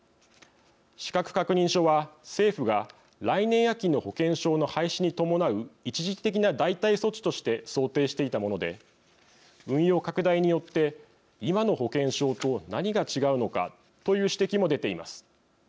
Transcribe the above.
資格確認書は政府が来年秋の保険証の廃止に伴う一時的な代替措置として想定していたもので運用拡大によって今の保険証と何が違うのかという指摘も出ています。